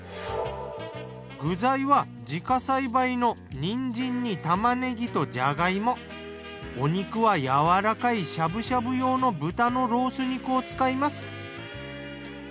具材は自家栽培のニンジンにタマネギとジャガイモお肉はやわらかいしゃぶしゃぶ用の豚のロース肉を使います。